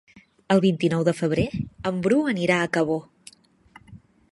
El vint-i-nou de febrer en Bru anirà a Cabó.